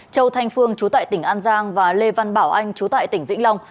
châu thanh phương chú tại tỉnh an giang và lê văn bảo anh chú tại tỉnh vĩnh long